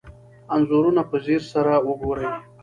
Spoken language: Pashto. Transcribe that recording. انځورونه په ځیر سره وګورئ.